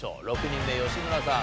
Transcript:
６人目吉村さん